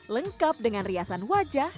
lengkap dengan riasan wajah